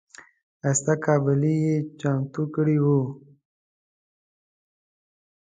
ښایسته قابلي یې چمتو کړې وه.